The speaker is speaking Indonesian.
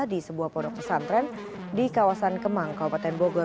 di sebuah pondok pesantren di kawasan kemang kabupaten bogor